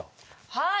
はい。